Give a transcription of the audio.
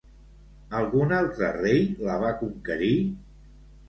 Algun altre rei la va conquerir?